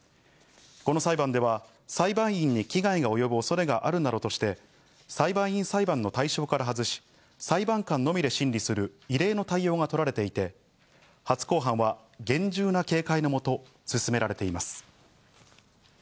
この裁判では裁判員に危害が及ぶ恐れがあるなどとして裁判員裁判の対象から外し、裁判官のみで審理する異例の対応が取られていて、初公判は厳重な警戒のもと進められています。